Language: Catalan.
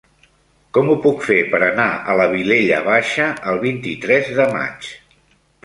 Com ho puc fer per anar a la Vilella Baixa el vint-i-tres de maig?